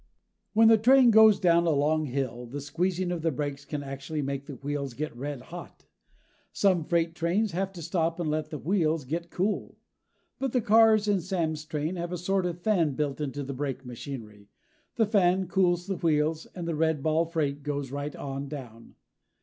When the train goes down a long hill, the squeezing of the brakes can actually make the wheels get red hot. Some freight trains have to stop and let the wheels get cool. But the cars in Sam's train have a sort of fan built into the brake machinery. The fan cools the wheels, and the redball freight goes right on down.